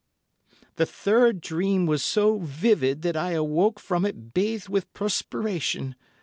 "The third dream was so vivid that I awoke from it bathed with perspiration.